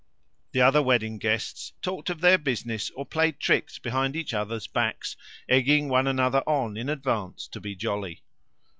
The other wedding guests talked of their business or played tricks behind each other's backs, egging one another on in advance to be jolly.